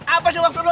apa sih maksud lu